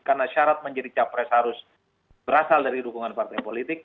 karena syarat menjadi capres harus berasal dari dukungan partai politik